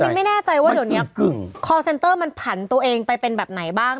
ไม่แน่ใจว่าเดี๋ยวนี้คอร์เซนเตอร์มันผันตัวเองไปเป็นแบบไหนบ้าง